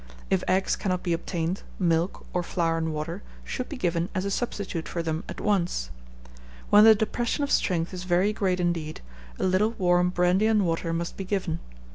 If eggs cannot be obtained, milk, or flour and water, should be given as a substitute for them at once. When the depression of strength is very great indeed, a little warm brandy and water must be given.